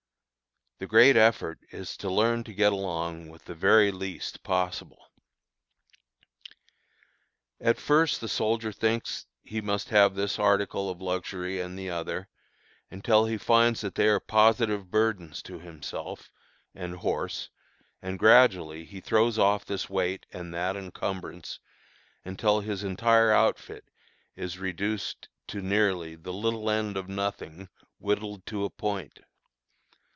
The great effort is to learn to get along with the very least possible. At first the soldier thinks he must have this article of luxury and the other, until he finds that they are positive burdens to himself and horse, and gradually he throws off this weight and that incumbrance, until his entire outfit is reduced to nearly "the little end of nothing, whittled to a point!"